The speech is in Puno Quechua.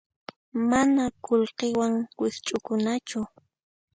Mana qullqiwan wikch'ukunachu.